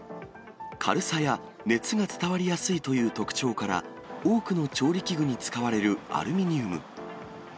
軽さや熱が伝わりやすいという特徴から、多くの調理器具に使われるアルミニウム。